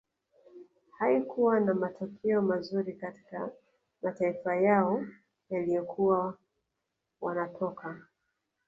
Haikuwa na matokeo mazuri katika mataifa yao waliyokuwa wanatoka